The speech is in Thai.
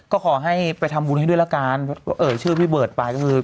ก็ขอให้ไปทำบุญให้ด้วยละกันเอ่ยชื่อพี่เบิร์ตไปก็คือ